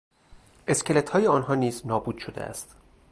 اسکلتهای آنها نیز نابود شده است.